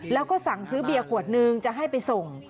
แล้วก็สั่งซื้อเบียร์ขวดนึงจะให้ไปส่ง